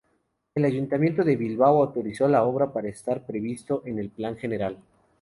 El Ayuntamiento de Bilbao autorizó la obra por estar previsto en el Plan General.